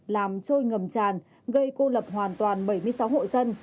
làm trôi ngầm tràn gây cô lập hoàn toàn bảy mươi sáu hộ dân